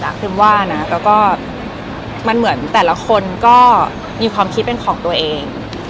พิมว่านะแล้วก็มันเหมือนแต่ละคนก็มีความคิดเป็นของตัวเอง